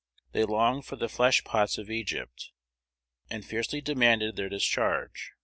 They longed "for the flesh pots of Egypt," and fiercely demanded their discharge.